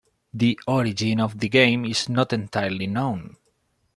The origin of the game is not entirely known.